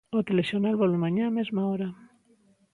O Telexornal volve mañá a mesma hora.